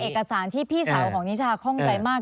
เพราะว่าเอกสารที่พี่สาวของนิชาข้องใจมาก